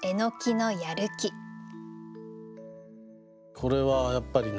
これはやっぱりね